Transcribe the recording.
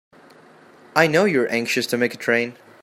I know you're anxious to make a train.